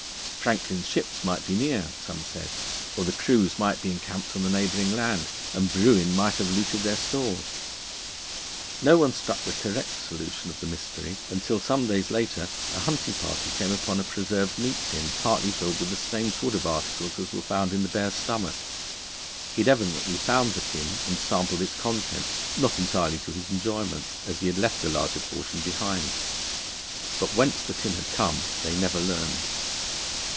Franklin's ships might be near, some said, or the crews might be encamped on the neighbouring land, and Bruin might have looted their stores. No one struck the correct solution of the mystery until some days later a hunting party came upon a preserved meat tin partly filled with the same sort of articles as were found in the bear's stomach. He had evidently found the tin and sampled its contents, not entirely to his enjoyment, as he had left the larger portion behind. But whence the tin had come they never learned.